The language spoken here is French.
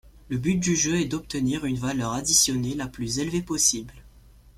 Le but du jeu est d'obtenir une valeur additionnée la plus élevée possible.